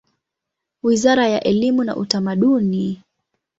Wizara ya elimu na Utamaduni.